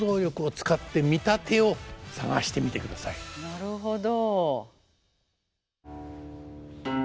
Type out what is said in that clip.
なるほど。